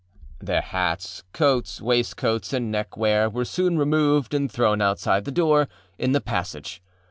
â Their hats, coats, waistcoats and neckwear were soon removed and thrown outside the door, in the passage.